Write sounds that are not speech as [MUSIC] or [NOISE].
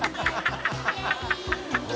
ハハハ [LAUGHS]